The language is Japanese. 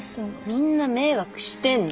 みんな迷惑してんの。